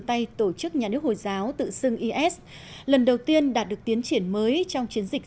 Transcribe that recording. tay tổ chức nhà nước hồi giáo tự xưng is lần đầu tiên đạt được tiến triển mới trong chiến dịch